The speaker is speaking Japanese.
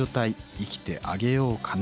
「生きてあげようかな」